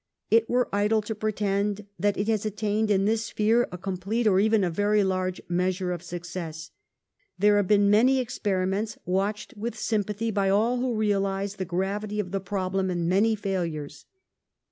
It were idle to pretend that it has attained, in this sphere, a com plete, or even a very large measure of success. There have been many experiments, watched with sympathy by all who realize the gravity of the problem, and many failures.